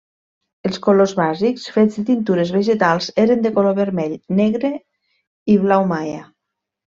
Els colors bàsics, fets de tintures vegetals, eren de color vermell, negre i blau maia.